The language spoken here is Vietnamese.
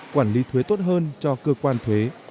quản lý thuế tốt hơn cho cơ quan thuế